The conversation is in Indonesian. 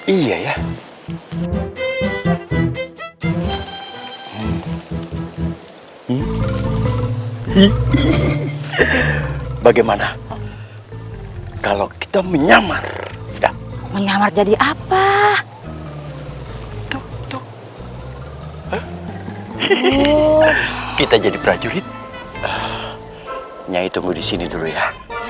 iya ya bagaimana kalau kita menyamar menyamar jadi apa kita jadi prajurit nyai tunggu di sini dulu ya